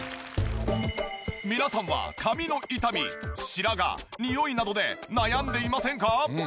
皆さんは髪の傷み白髪ニオイなどで悩んでいませんか？